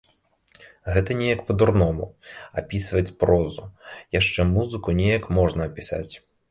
Гэта неяк па-дурному, апісваць прозу, яшчэ музыку неяк можна апісаць.